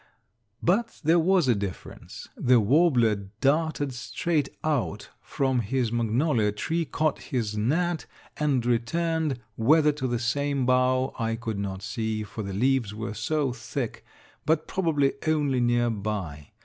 But there was a difference; the warbler darted straight out from his magnolia tree, caught his gnat and returned, whether to the same bough I could not see for the leaves were so thick, but probably only near by.